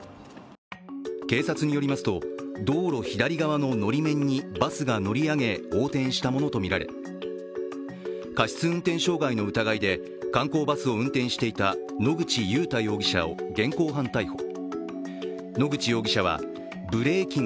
警察によりますと道路左側ののり面にバスが乗り上げ横転したものとみられ過失運転傷害の疑いで観光バスを運転していた野口祐太容疑者を現行犯逮捕。